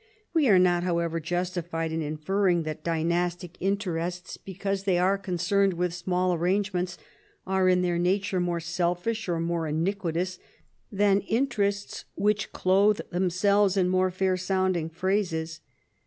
We are not, however, justi fied in inferring that dynastic interests, because they are concerned with smaU arrangements, are in their nature more selfish or more iniquitous than interests which, clothe themselves in more fair sounding phrases.